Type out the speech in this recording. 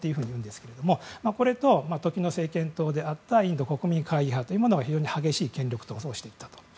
これと、時の政権であったインド国民会議派というのが非常に激しい権力闘争をしていったと。